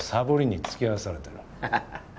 ハハハハ。